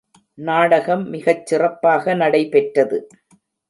நாடகம் மிகச் சிறப்பாக நடைபெற்றது.